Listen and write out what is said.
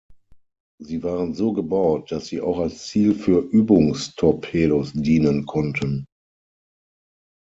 Sie waren so gebaut, dass sie auch als Ziel für Übungs-Torpedos dienen konnten.